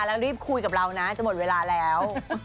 แล้วรีบคุยกับเรานะจะหมดเวลาแล้ว